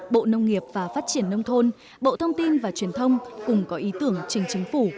bộ nông nghiệp và phát triển nông thôn bộ thông tin và truyền thông cùng có ý tưởng trình chính phủ